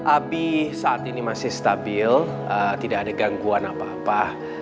api saat ini masih stabil tidak ada gangguan apa apa